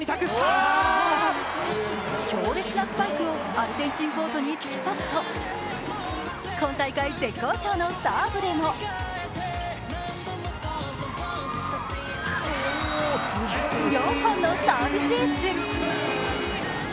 強烈なスパイクをアルゼンチンコートに突き刺すと今大会絶好調のサーブでも４本のサービスエース。